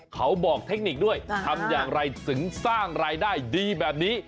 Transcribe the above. เขาบอกเทคนิคด้วยทำอย่างไรถึงสร้างรายได้ดีแบบนี้